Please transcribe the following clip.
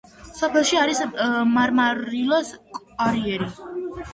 სოფელში არის მარმარილოს კარიერი.